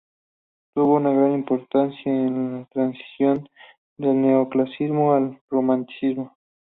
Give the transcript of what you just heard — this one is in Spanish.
Tuvo una gran importancia en la transición del Neoclasicismo al Romanticismo.